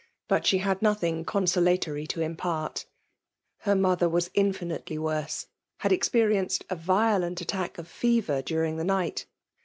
But she had nothing consolatory to import. H^r mother was infinitely worse ; had Oxperieneed a violent attack of fever during the night.